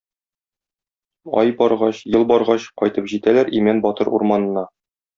Ай баргач, ел баргач, кайтып җитәләр Имән батыр урманына.